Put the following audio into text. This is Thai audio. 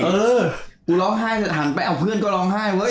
เออกูร้องไห้หันไปเอาเพื่อนก็ร้องไห้เว้